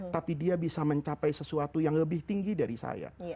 tapi dia bisa mencapai sesuatu yang lebih tinggi dari saya